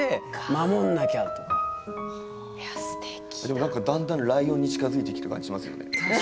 でもなんかだんだんライオンに近づいてきてる感じしますよね。